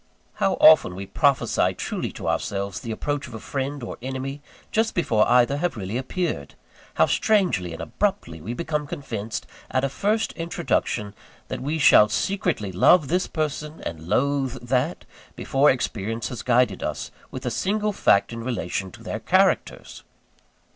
How often we prophesy truly to ourselves the approach of a friend or enemy, just before either have really appeared! How strangely and abruptly we become convinced, at a first introduction, that we shall secretly love this person and loathe that, before experience has guided us with a single fact in relation to their characters!